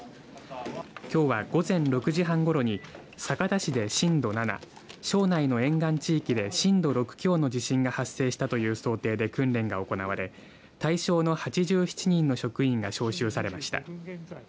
きょうは、午前６時半ごろに酒田市で震度７庄内の沿岸地域で震度６強の地震が発生したという想定で訓練が行われ対象の８７人の職員が招集されました。